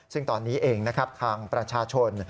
ซึ่งตอนนี้เองนะครับทางประชาชน